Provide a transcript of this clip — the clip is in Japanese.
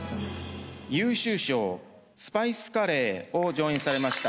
優秀賞「スパイス・カレー」を上演されました